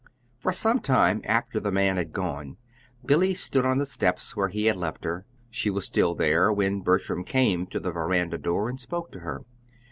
For some minutes after the man had gone, Billy stood by the steps where he had left her. She was still there when Bertram came to the veranda door and spoke to her.